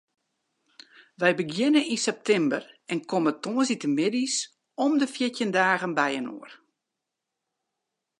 Wy begjinne yn septimber en komme tongersdeitemiddeis om de fjirtjin dagen byinoar.